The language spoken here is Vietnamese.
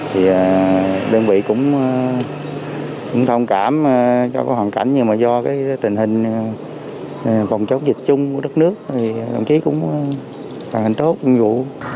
thì đơn vị cũng thông cảm cho cái hoàn cảnh nhưng mà do cái tình hình thòng chống dịch chung của đất nước thì đồng chí cũng hành hình tốt ứng dụ